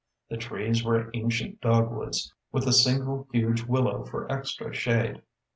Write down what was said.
The trees were ancient dogwoods, with a single huge willow for extra shade.